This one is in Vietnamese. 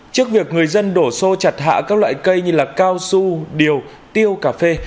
trước việc người dân đổ xô chặt hạ các loại cây như cao su điều tiêu cà phê